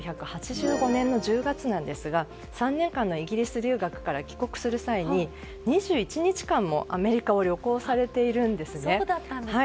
１９８５年の１０月なんですが３年間のイギリス留学から帰国する際に２１日間もアメリカを旅行されているんですね。